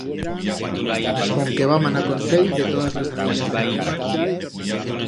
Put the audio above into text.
Conque va manar consell de totas las abellas d'el arna.